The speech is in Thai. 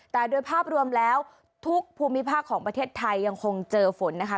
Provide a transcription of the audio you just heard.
แต่โดยภาพรวมแล้วทุกภูมิภาคของประเทศไทยยังคงเจอฝนนะคะ